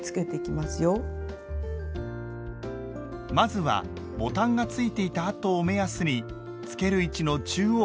まずはボタンがついていた跡を目安につける位置の中央を１針すくいます。